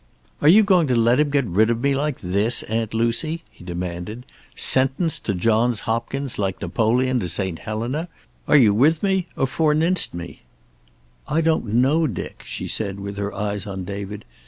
"Are you going to let him get rid of me like this, Aunt Lucy?" he demanded. "Sentenced to Johns Hopkins, like Napoleon to St. Helena! Are you with me, or forninst me?" "I don't know, Dick," she said, with her eyes on David.